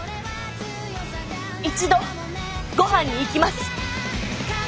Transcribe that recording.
一度ごはんに行きます。